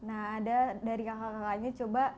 nah ada dari kakak kakaknya coba